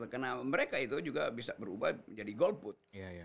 karena mereka itu juga bisa berubah menjadi gold put